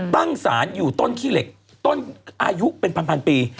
ตั้งสารอยู่ต้นขี้เหล็กต้นอายุเป็นพันปี